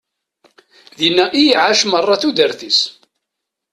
Dina i iɛac meṛṛa tudert-is.